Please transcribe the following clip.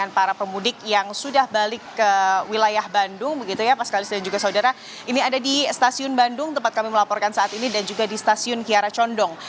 dan para pemudik yang sudah balik ke wilayah bandung pak skalis dan juga saudara ini ada di stasiun bandung tempat kami melaporkan saat ini dan juga di stasiun kiara condong